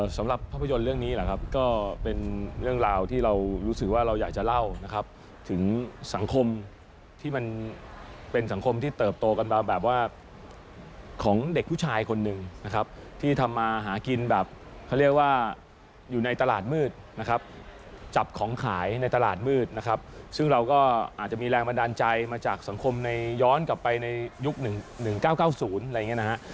สำหรับภาพยนตร์เรื่องนี้แหละครับก็เป็นเรื่องราวที่เรารู้สึกว่าเราอยากจะเล่านะครับถึงสังคมที่มันเป็นสังคมที่เติบโตกันมาแบบว่าของเด็กผู้ชายคนหนึ่งนะครับที่ทำมาหากินแบบเขาเรียกว่าอยู่ในตลาดมืดนะครับจับของขายในตลาดมืดนะครับซึ่งเราก็อาจจะมีแรงบันดาลใจมาจากสังคมในย้อนกลับไปในยุค๑๙๙๐อะไรอย่างนี้นะฮะ